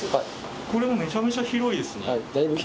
これもめちゃめちゃ広いですね